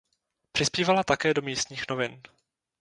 Přispívala také do místních novin.